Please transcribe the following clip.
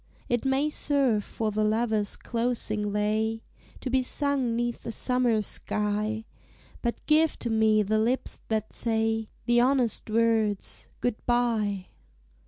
It may serve for the lover's closing lay, To be sung 'neath a summer sky; But give to me the lips that say The honest words, "Good bye!"